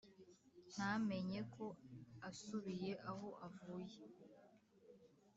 ntamenye ko asubiye aho avuye!